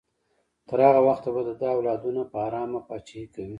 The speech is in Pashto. تر هغه وخته به د ده اولادونه په ارامه پاچاهي کوي.